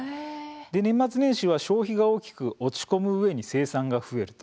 年末年始は消費が大きく落ち込むうえに生産が増えると。